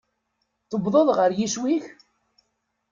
Tewwḍeḍ ɣer yiswi-k?